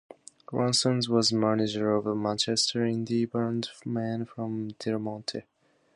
Ronson was the manager of the Manchester indie band Man From Delmonte.